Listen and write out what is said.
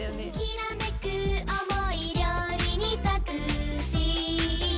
「きらめく思い料理にたくして」